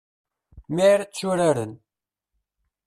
Mi ara tturaren.